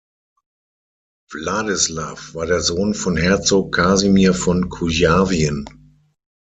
Wladyslaw war der Sohn von Herzog Kasimir von Kujawien.